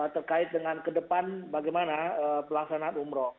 terkait dengan ke depan bagaimana pelaksanaan umroh